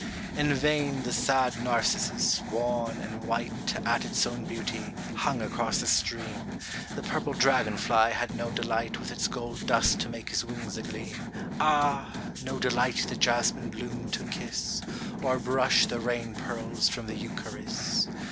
In vain the sad narcissus, wan and white At its own beauty, hung across the stream, The purple dragon I y had no delight With its gold dust to make his wings a gleam, Ah ! no delight the jasmine bloom to kiss, Or brush the rain pearls from the eucharis.